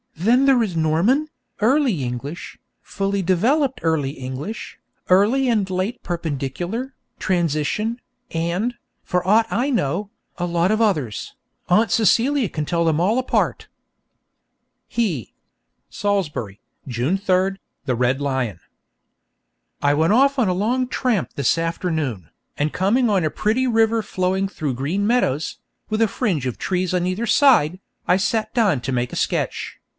Then there is Norman, Early English, fully developed Early English, Early and Late Perpendicular, Transition, and, for aught I know, a lot of others. Aunt Celia can tell them all apart._ He Salisbury, June 3, The Red Lion. I went off on a long tramp this afternoon, and coming on a pretty river flowing through green meadows, with a fringe of trees on either side, I sat down to make a sketch.